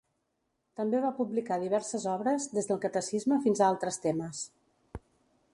També va publicar diverses obres, des del catecisme fins a altres temes.